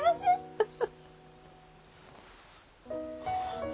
フフフ。